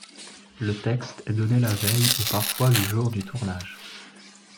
Le texte est donné la veille ou parfois le jour du tournage.